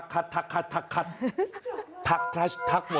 มันไลค์คุยกัน